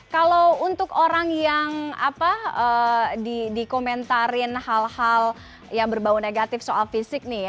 kalau untuk orang yang dikomentarin hal hal yang berbau negatif soal fisik nih